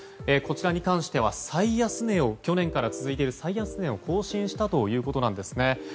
こちらに関しては去年から続いている最安値を更新したということです。